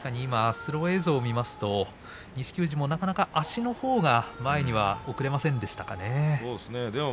スロー映像を見ますと錦富士もなかなか足のほうが前には送れませんでしたかね。